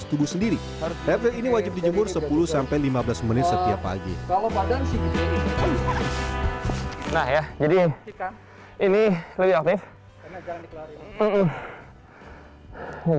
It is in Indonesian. tubuh sendiri level ini wajib dijemur sepuluh lima belas menit setiap pagi nah ya jadi ini lebih aktif